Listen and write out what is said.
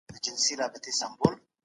په کتابتون کي باید نظم مراعات سي.